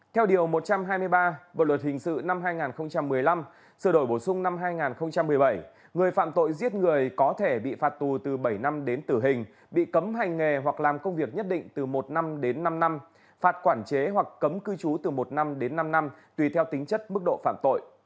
theo điều một trăm hai mươi ba bộ luật hình sự năm hai nghìn một mươi năm sự đổi bổ sung năm hai nghìn một mươi bảy người phạm tội giết người có thể bị phạt tù từ bảy năm đến tử hình bị cấm hành nghề hoặc làm công việc nhất định từ một năm đến năm năm phạt quản chế hoặc cấm cư trú từ một năm đến năm năm tùy theo tính chất mức độ phạm tội